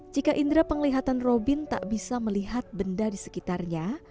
maka indera perabahan ini akan menjadi kekuatan